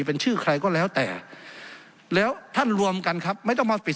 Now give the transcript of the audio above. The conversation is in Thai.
เป็นชื่อใครก็แล้วแต่แล้วท่านรวมกันครับไม่ต้องมาปิด